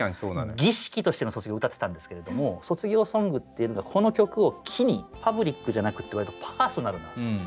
儀式としての卒業を歌ってたんですけれども卒業ソングっていうのがこの曲を機にパブリックじゃなくてわりとパーソナルな。